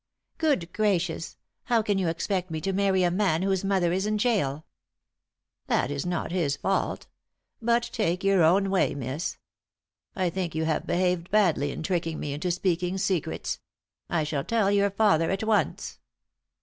"Good gracious! How can you expect me to marry a man whose mother is in gaol?" "That is not his fault. But take your own way, miss. I think you have behaved badly in tricking me into speaking secrets. I shall tell your father at once."